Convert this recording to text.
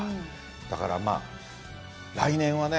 だから来年はね